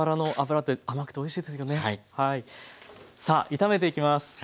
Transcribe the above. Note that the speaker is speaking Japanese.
さあ炒めていきます。